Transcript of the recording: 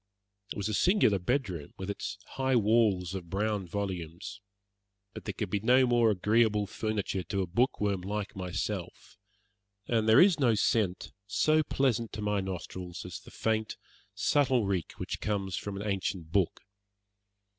It was a singular bedroom, with its high walls of brown volumes, but there could be no more agreeable furniture to a bookworm like myself, and there is no scent so pleasant to my nostrils as that faint, subtle reek which comes from an ancient book.